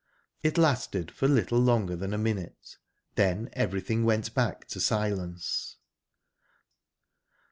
it lasted for littler longer than a minute, then everything went back to silence.